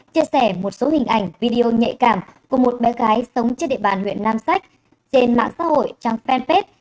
chia sẻ một số hình ảnh video nhạy cảm của một bé gái sống trên địa bàn huyện nam sách trên mạng xã hội trang fanpage